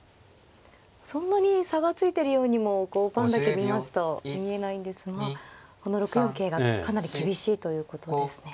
そんなに差がついてるようにも盤だけ見ますと見えないんですがこの６四桂がかなり厳しいということですね。